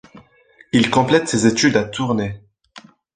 Il complète ses études à Tournai.